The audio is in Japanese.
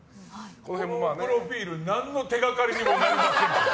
このプロフィール何の手がかりにもなりませんけど。